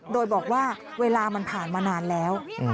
โดยบอกว่าเวลามันผ่านมานานแล้ว